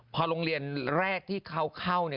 พอโรงเรียนแรกที่เข้า